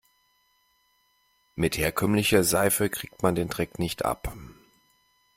Mit herkömmlicher Seife kriegt man den Dreck nicht ab.